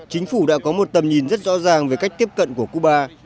chính phủ đã có một tầm nhìn rất rõ ràng về cách tiếp cận của cuba